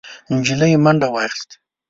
نجلۍ منډه واخيسته،